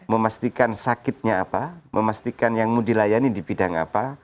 memastikan sakitnya apa memastikan yang mau dilayani di bidang apa